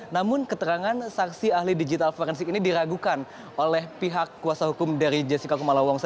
namun keterangan saksi ahli digital forensik ini diragukan oleh pihak kuasa hukum dari jessica kumala wongsa